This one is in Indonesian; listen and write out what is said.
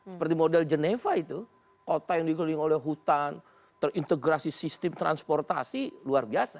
seperti model geneva itu kota yang dikeliling oleh hutan terintegrasi sistem transportasi luar biasa